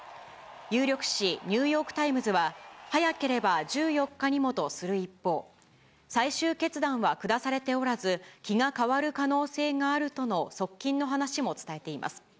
有力紙、ニューヨークタイムズは、早ければ１４日にもとする一方、最終決断は下されておらず、気が変わる可能性があるとの側近の話も伝えています。